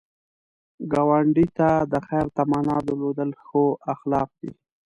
ګاونډي ته د خیر تمنا درلودل ښو اخلاق دي